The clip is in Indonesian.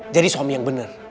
jadi suami yang bener